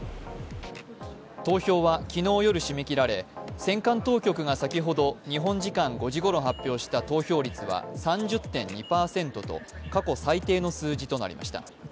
投票は昨日夜閉め切られ、選管当局が先ほど日本時間５時ごろ発表した投票率は３０．２％と過去最低の数字となりました。